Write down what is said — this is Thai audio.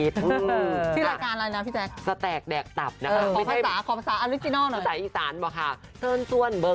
ใช่ใช่